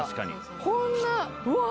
こんなうわあ！